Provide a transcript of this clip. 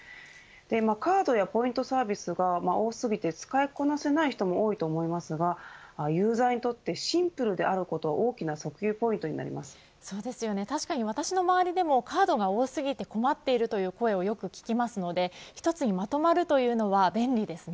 カードやポイントサービスが多過ぎて使いこなせない人も多いと思いますがユーザーにとってシンプルであることは大きな訴求ポイントに確かに私の周りでもカードが多すぎて困っているという声をよく聞きますので一つにまとまるというのは便利ですね。